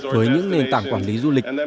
với những nền tảng quản lý du lịch